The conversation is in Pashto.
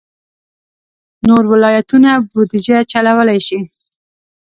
نور ولایتونه بودجه چلولای شي.